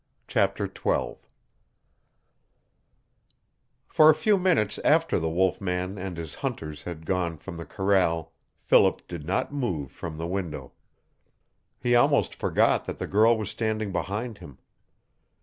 CHAPTER XII For a few minutes after the wolf man and his hunters had gone from the corral Philip did not move from the window. He almost forgot that the girl was standing behind him.